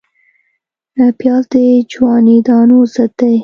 پیاز د جواني دانو ضد دی